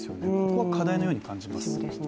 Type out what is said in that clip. ここは課題のように感じます。